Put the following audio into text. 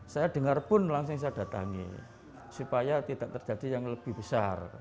saya dengar pun langsung saya datangi supaya tidak terjadi yang lebih besar